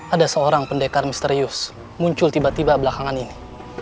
ada seorang pendekar misterius muncul tiba tiba belakangan ini